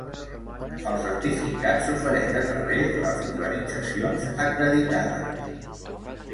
El certificat s'ofereix a través de les organitzacions acreditades.